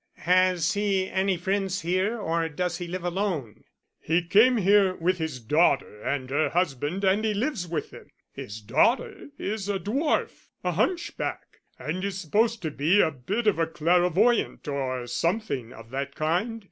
"Has he any friends here, or does he live alone?" "He came here with his daughter and her husband and he lives with them. His daughter is a dwarf a hunchback and is supposed to be a bit of a clairvoyant or something of that kind.